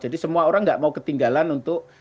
jadi semua orang nggak mau ketinggalan untuk